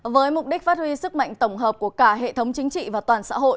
với mục đích phát huy sức mạnh tổng hợp của cả hệ thống chính trị và toàn xã hội